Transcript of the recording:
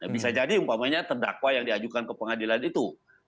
bisa jadi umpamanya terdakwa yang diajukan ke pengadilan itu